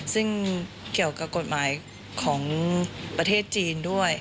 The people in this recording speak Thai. ซึ่งเกี่ยวกับกฎหมายของประเทศจีนด้วย